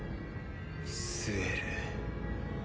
スエル。